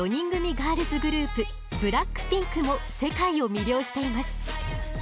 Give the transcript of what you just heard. ガールズグループＢＬＡＣＫＰＩＮＫも世界を魅了しています。